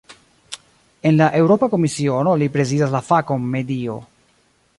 En la Eŭropa Komisiono li prezidas la fakon "medio".